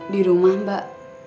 di rumah mbak